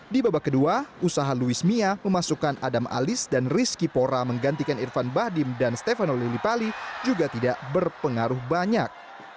di babak kedua usaha luis mia memasukkan adam alis dan rizky pora menggantikan irfan bahdim dan stefano lillipali juga tidak berpengaruh banyak